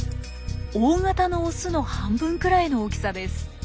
大型のオスの半分くらいの大きさです。